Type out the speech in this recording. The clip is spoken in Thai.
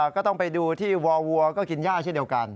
ก็ต้องไปดูที่วอวัวก็กินย่าเช่นเดียวกัน